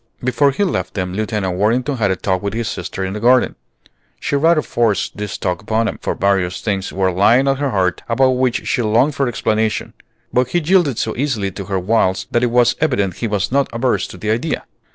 Before he left them Lieutenant Worthington had a talk with his sister in the garden. She rather forced this talk upon him, for various things were lying at her heart about which she longed for explanation; but he yielded so easily to her wiles that it was evident he was not averse to the idea.